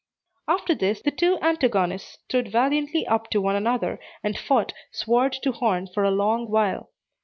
After this, the two antagonists stood valiantly up to one another, and fought, sword to horn, for a long while.